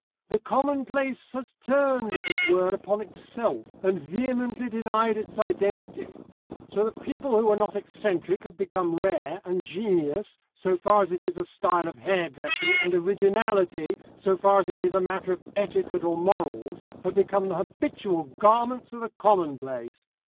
The commonplace has turned, as it were, upon itself, and vehemently denied its identity. So that people who were not eccentric have become rare, and genius, so far as it is a style of hairdressing, and originality, so far as it is a matter of etiquette or morals, have become the habitual garments of the commonplace.